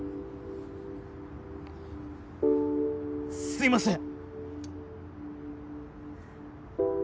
すいません。